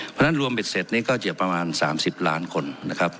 เพราะฉะนั้นรวมเบ็ดเสร็จนี้ก็จะประมาณ๓๐ล้านคนนะครับ